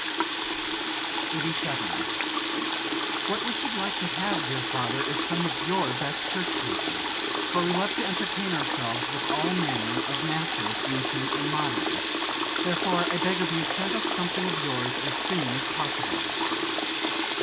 87. "What we should like to have, dear father, is some of your best church pieces; for we love to entertain ourselves with all manner of masters, ancient and modern. Therefore I beg of you send us something of yours as soon as possible."